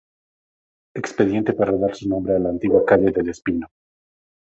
Expediente para dar su nombre a la antigua calle del Espino.